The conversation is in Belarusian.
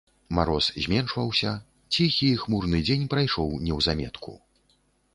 Мароз зменшваўся, ціхі і хмурны дзень прайшоў неўзаметку.